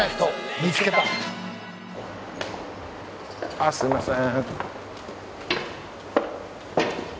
あっすみません。